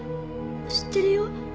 知ってるよ